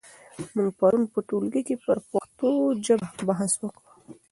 موږ پرون په ټولګي کې پر پښتو ژبه بحث وکړ.